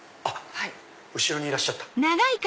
後ろにいらっしゃった！